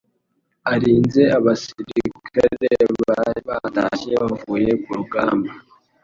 arinze abasirikare bari batashye bavuye ku rugamba